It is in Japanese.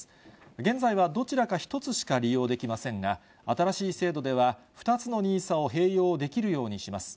現在はどちらか１つしか利用できませんが、新しい制度では、２つのＮＩＳＡを併用できるようにします。